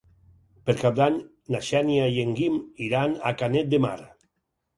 Per Cap d'Any na Xènia i en Guim iran a Canet de Mar.